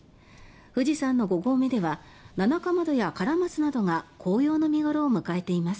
富士山の五合目ではナナカマドやカラマツなどが紅葉の見頃を迎えています。